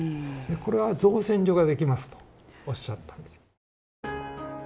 「これは造船所ができます」とおっしゃったんで。